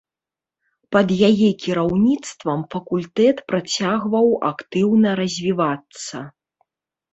Пад яе кіраўніцтвам факультэт працягваў актыўна развівацца.